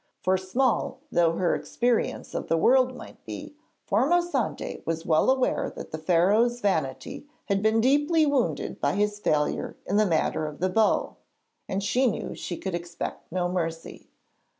For small though her experience of the world might be, Formosante was well aware that the Pharaoh's vanity had been deeply wounded by his failure in the matter of the bow, and she knew she could expect no mercy.